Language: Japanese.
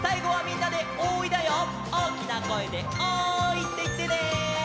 おおきなこえで「おーい」っていってね。